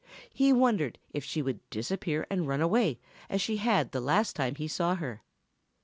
He wondered if she would disappear and run away as she had the last time he saw her.